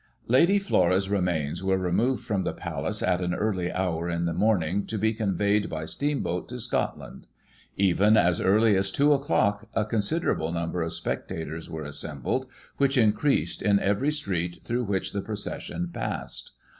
Lady Flora's remains were removed from the palace, at an early hour in the morning, to be conveyed, by steamboat, to Scotland. Even as early as two o'clock, a considerable number of spectators were assembled, which increased in every street through which the procession passed.